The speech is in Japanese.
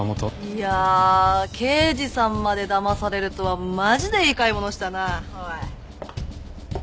いやあ刑事さんまでだまされるとはマジでいい買い物したなおい。